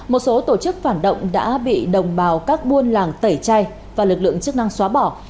một số tổ chức phản động đã bị đồng bào các buôn làng tẩy chay và lực lượng chức năng xóa bỏ